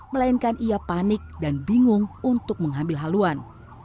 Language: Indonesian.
melainkan ia panik dan bingung untuk mengambil haluan